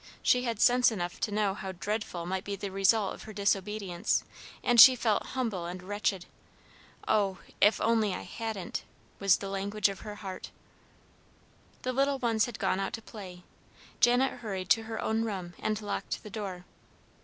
She had sense enough to know how dreadful might be the result of her disobedience, and she felt humble and wretched. "Oh, if only I hadn't!" was the language of her heart. The little ones had gone out to play. Janet hurried to her own room, and locked the door.